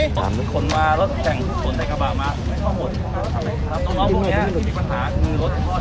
ถามคนว่ารถแข่งสนในกระบะมันไม่เข้าหมด